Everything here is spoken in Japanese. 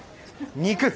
肉！